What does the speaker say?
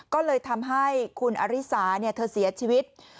ก็เลยทำให้คุณอริสาเธอเสียชีวิต